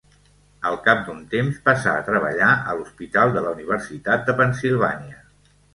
Al cap d'un temps passà a treballar a l'Hospital de la Universitat de Pennsilvània.